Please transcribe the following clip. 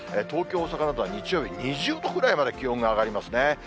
東京、大阪などは日曜日２０度くらいまで気温が上がりますね。